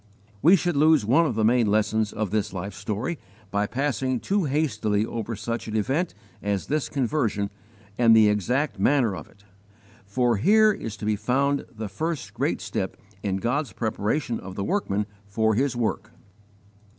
We should lose one of the main lessons of this life story by passing too hastily over such an event as this conversion and the exact manner of it, for here is to be found the first great step in God's preparation of the workman for his work.